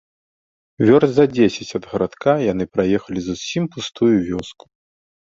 Вёрст за дзесяць ад гарадка яны праехалі зусім пустую вёску.